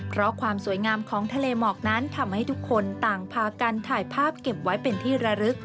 เพราะความสวยงามของทะเลหมอกนั้นทำให้ทุกคนต่างพากันถ่ายภาพเก็บไว้เป็นที่ระลึก